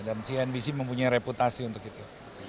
dan cnbc mempunyai reputasi untuk itu